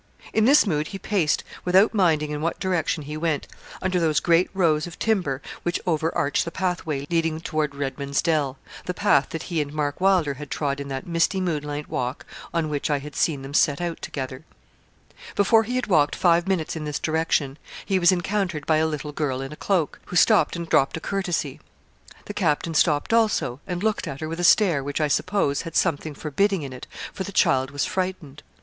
In this mood he paced, without minding in what direction he went, under those great rows of timber which over arch the pathway leading toward Redman's Dell the path that he and Mark Wylder had trod in that misty moonlight walk on which I had seen them set out together. Before he had walked five minutes in this direction, he was encountered by a little girl in a cloak, who stopped and dropped a courtesy. The captain stopped also, and looked at her with a stare which, I suppose, had something forbidding in it, for the child was frightened.